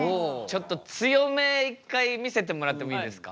ちょっと強め一回見せてもらってもいいですか？